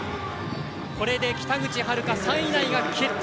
これで北口榛花３位以内が決定。